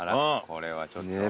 これはちょっとねっ。